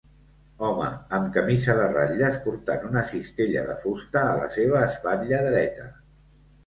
Home amb camisa de ratlles portant una cistella de fusta a la seva espatlla dreta.